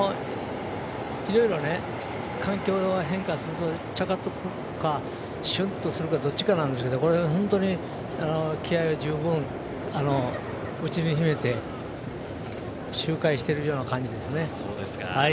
いろいろ環境は変化するとチャカつくかしゅっとするとかどっちかなんですけど本当に気合いが十分内に秘めて周回してるような感じですね。